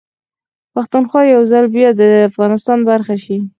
پښتونخوا به يوځل بيا ده افغانستان برخه شي